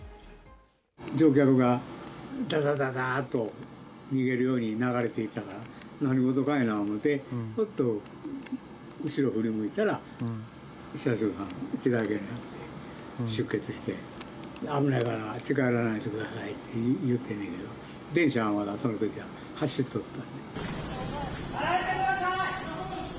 乗客が、だだだだーっと逃げるように流れていったから、何事かいな思って、ふっと後ろ振り向いたら、車掌さんが血だらけになって、出血して、危ないから近寄らないでくださいと言うて、電車はまだそのときは走っとった。